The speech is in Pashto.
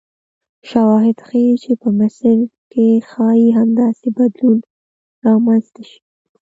شواهد ښیي چې په مصر کې ښایي همداسې بدلون رامنځته شي.